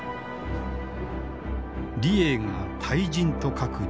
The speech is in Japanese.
李鋭が大人と書く人物